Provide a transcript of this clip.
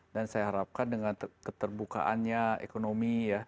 dan saya harapkan dengan keterbukaannya ekonomi ya